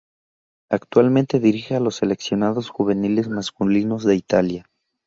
Actualmente dirige a los seleccionados juveniles masculinos de Italia.